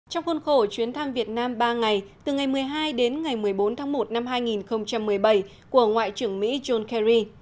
trong khuôn khổ chuyến thăm việt nam ba ngày từ ngày một mươi hai đến ngày một mươi bốn tháng một năm hai nghìn một mươi bảy của ngoại trưởng mỹ john kerry